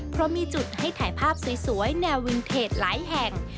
เพราะมีจุดให้ถ่ายภาพสวยแนววินเทจหลายแห่ง